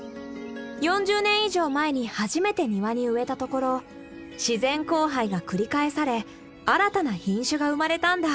４０年以上前に初めて庭に植えたところ自然交配が繰り返され新たな品種が生まれたんだ。